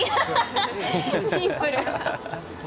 シンプル。